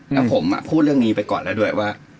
แล้วผมพูดเรื่องนี้ไปก่อนแล้วด้วยว่า